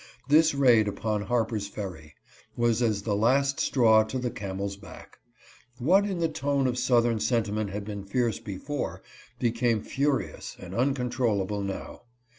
This raid upon Harper's Ferry was 376 THE AUTHOR FEARS ARREST. as the last straw to the camel's back. What in the tone of Southern sentiment had been fierce before, became fu rious and uncontrollable now.